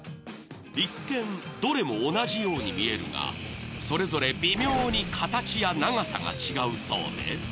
一見、どれも同じように見えるが、それぞれ微妙に形や長さが違うそうで。